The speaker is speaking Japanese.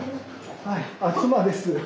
はい妻です。